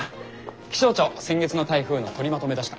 気象庁先月の台風の取りまとめ出した。